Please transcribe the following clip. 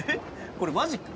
これマジック？